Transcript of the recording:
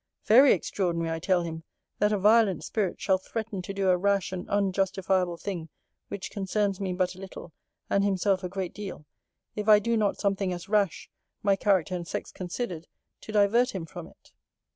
'Very extraordinary, I tell him, that a violent spirit shall threaten to do a rash and unjustifiable thing, which concerns me but a little, and himself a great deal, if I do not something as rash, my character and sex considered, to divert him from it.